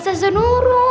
dada ustazah nurul